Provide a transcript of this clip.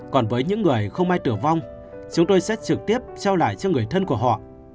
còn với những người không ai tử vong chúng tôi sẽ trực tiếp trao lại cho người thân của họ